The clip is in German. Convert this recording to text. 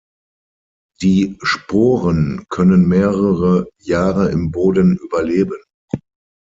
Die Sporen können mehrere Jahre im Boden überleben.